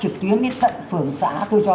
trực tuyến đến tận phường xã tôi cho